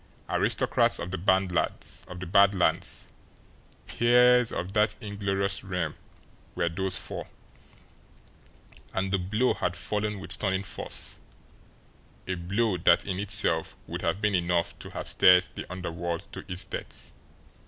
Aristocrats of the Bad Lands, peers of that inglorious realm were those four and the blow had fallen with stunning force, a blow that in itself would have been enough to have stirred the underworld to its depths.